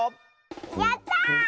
やった！